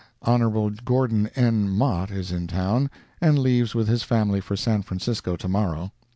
Hon. Gordon N. Mott is in town, and leaves with his family for San Francisco to morrow.